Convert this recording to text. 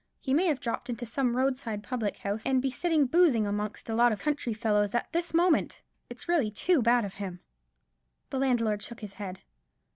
He may have dropped into some roadside public house and be sitting boozing amongst a lot of country fellows at this moment. It's really too bad of him." The landlord shook his head.